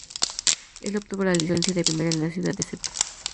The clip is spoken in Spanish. Él obtuvo la licencia de piloto de primera en la ciudad de St.